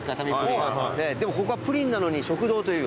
でもここはプリンなのに食堂という。